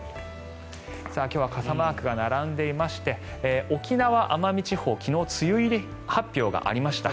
今日は傘マークが並んでいまして沖縄・奄美地方昨日、梅雨入り発表がありました。